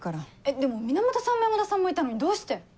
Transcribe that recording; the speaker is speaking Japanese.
でも源さんも山田さんもいたのにどうして。